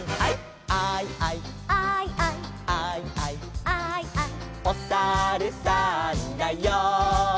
「アイアイ」「アイアイ」「アイアイ」「アイアイ」「おさるさんだよ」